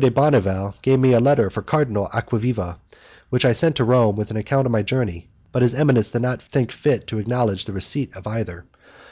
de Bonneval gave me a letter for Cardinal Acquaviva, which I sent to Rome with an account of my journey, but his eminence did not think fit to acknowledge the receipt of either.